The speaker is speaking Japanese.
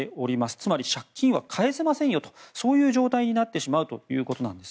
つまり、借金は返せませんよという状態になってしまうわけです。